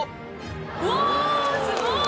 ⁉うわすごい！